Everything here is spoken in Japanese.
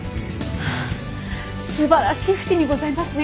すばらしい普請にございますね！